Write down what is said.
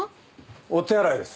お手洗いです。